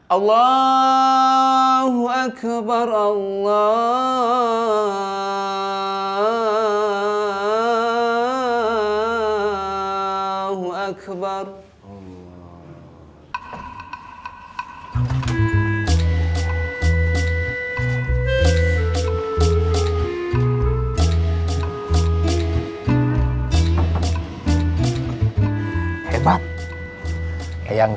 allah hu akbar allah hu akbar